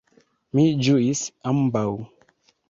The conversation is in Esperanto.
Mi ĝuis ambaŭ.